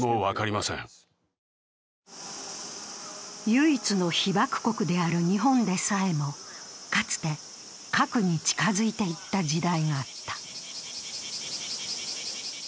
唯一の被爆国である日本でさえも、かつて核に近づいていった時代があった。